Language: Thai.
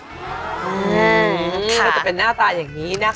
ก็จะเป็นหน้าตาอย่างนี้นะคะ